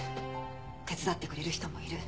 手伝ってくれる人もいる。